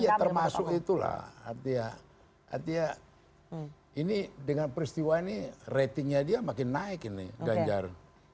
iya termasuk itulah artinya ini dengan peristiwa ini ratingnya dia makin naik ini ganjar